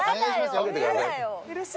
嫌だよ。